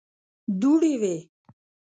دوړې وې.